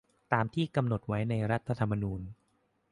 ตามที่กำหนดไว้ในรัฐธรรมนูญ